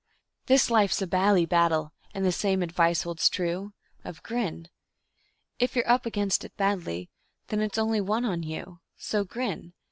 This life's a bally battle, and the same advice holds true Of grin. If you're up against it badly, then it's only one on you, So grin.